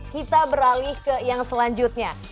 kita beralih ke yang selanjutnya